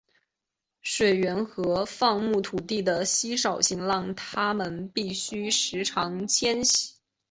水源和放牧土地的稀少性让他们必须时常迁徙。